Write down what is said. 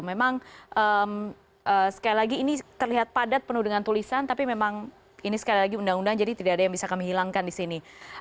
memang sekali lagi ini terlihat padat penuh dengan tulisan tapi memang ini sekali lagi undang undang jadi tidak ada yang bisa kami hilangkan di sini